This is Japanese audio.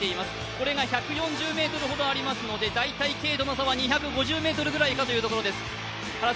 これが１４０ｍほどありますのでＫとの差は２５０ｍぐらいかということです。